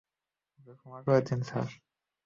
ওকে ক্ষমা করে দিন, স্যার।